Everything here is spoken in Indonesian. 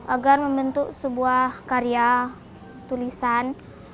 agar membentuk sebuah karya tulisan